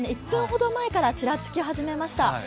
１分ほど前からちらつき始めました。